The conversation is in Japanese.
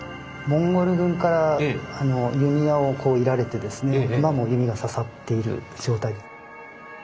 モンゴル軍から弓矢をこう射られてですね馬も弓が刺さっている状態。